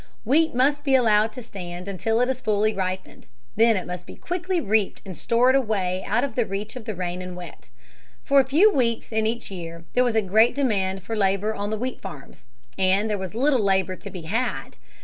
Wheat must be allowed to stand until it is fully ripened. Then it must be quickly reaped and stored away out of the reach of the rain and wet. For a few weeks in each year there was a great demand for labor on the wheat farms. And there was little labor to be had.